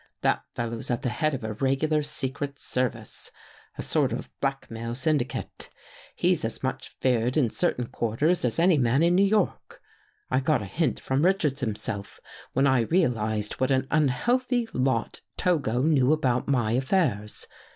That fellow's at the head of a regular secret service — a sort of blackmail syndicate. He's as much feared in cer tain quarters, as any man in New York. I got a hint from Richards himself, when I realized what an unhealthy lot Togo knew about my affairs.